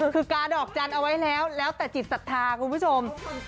คือกาดอกจันทร์เอาไว้แล้วแล้วแต่จิตศรัทธาคุณผู้ชม